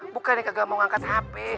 bukannya kagak mau ngangkat hp